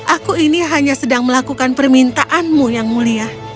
aku ini hanya sedang melakukan permintaanmu yang mulia